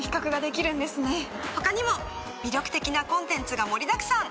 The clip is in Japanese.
他にも魅力的なコンテンツが盛りだくさん！